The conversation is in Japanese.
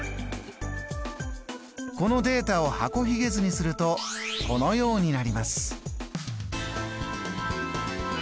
このデータを箱ひげ図にするとこのようになります。